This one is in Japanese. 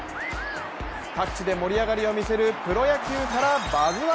各地で盛り上がりを見せるプロ野球から「バズ☆１」